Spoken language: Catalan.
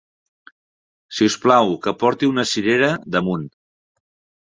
Si us plau, que porti una cirera damunt!